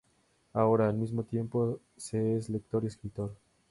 Ahora, al mismo tiempo se es lector y escritor.